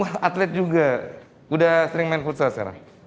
wah atlet juga udah sering main futsal sekarang